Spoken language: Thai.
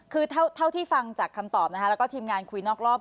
คือเท่าที่ฟังจากคำตอบนะคะแล้วก็ทีมงานคุยนอกรอบ